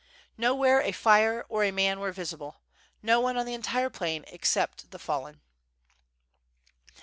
Nowhere a fire or a man were visible, no one on the entire plain except the fallen.